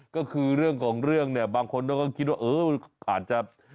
ก็คือเรื่องของเรื่องเนี่ยบางคนก็คิดว่าเอออาจจะ